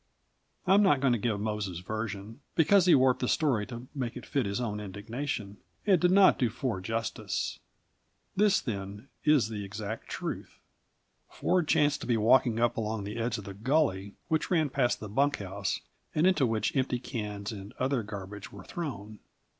I am not going to give Mose's version, because he warped the story to make it fit his own indignation, and did not do Ford justice. This, then, is the exact truth: Ford chanced to be walking up along the edge of the gully which ran past the bunk house, and into which empty cans and other garbage were thrown.